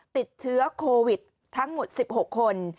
ติดเชื้อโควิดทั้งหมด๑๖คน